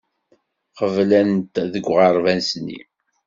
Qeblen-t deg uɣerbaz-nni.